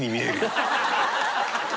ハハハ